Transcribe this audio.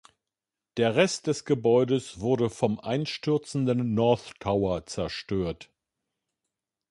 Der Rest des Gebäudes wurde vom einstürzenden North Tower zerstört.